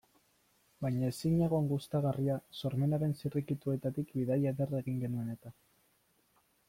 Baina ezinegon gustagarria, sormenaren zirrikituetatik bidaia ederra egin genuen eta.